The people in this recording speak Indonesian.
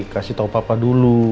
kasih tahu papa dulu